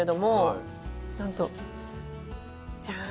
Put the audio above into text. なんとじゃん。